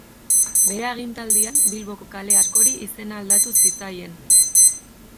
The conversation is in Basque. Bere agintaldian Bilboko kale askori izena aldatu zitzaien.